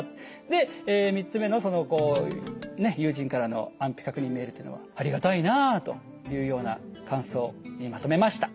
で３つ目の「友人からの安否確認メール」というのは「ありがたいな」というような感想にまとめました。